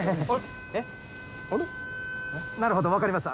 なるほど分かります。